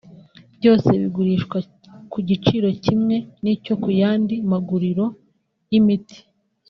Byose bigurishwa ku giciro kimwe n’icyo ku yandi maguriro y’imiti